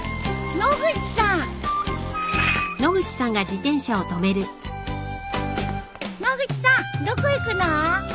野口さんどこ行くの？